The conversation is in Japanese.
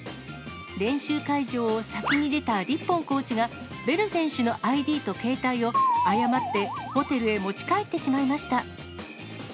練習会場を先に出たリッポンコーチが、ベル選手のＩＤと携帯を誤ってホテルへ持ち帰ってしまいました。